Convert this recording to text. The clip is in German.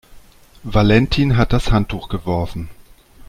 Valentin hat das Handtuch geworfen.